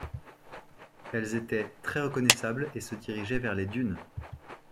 Elles étaient très reconnaissables, et se dirigeaient vers les dunes.